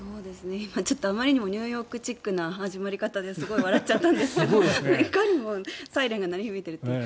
今、あまりにもニューヨークチックな始まり方ですごい笑っちゃったんですけどいかにもサイレンが鳴り響いているという。